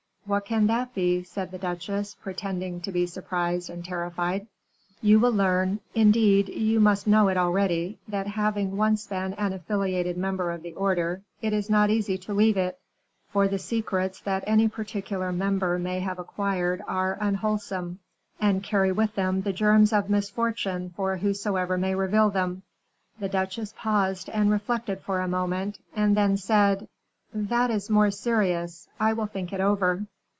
"What can that be?" said the duchesse, pretending to be surprised and terrified. "You will learn; indeed, you must know it already, that having once been an affiliated member of the order, it is not easy to leave it; for the secrets that any particular member may have acquired are unwholesome, and carry with them the germs of misfortune for whosoever may reveal them." The duchesse paused and reflected for a moment, and then said, "That is more serious: I will think it over."